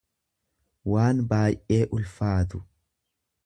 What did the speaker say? waan baay'ee ulfaatu.